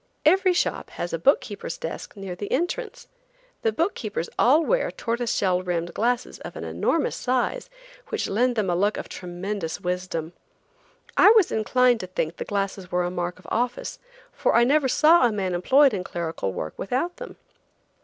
Every shop has a book keeper's desk near the entrance. The book keepers all wear tortoise shell rimmed glasses of an enormous size, which lend them a look of tremendous wisdom. I was inclined to think the glasses were a mark of office, for I never saw a man employed in clerical work without them.